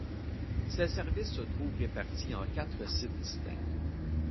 Ses services se trouvent répartis en quatre sites distincts.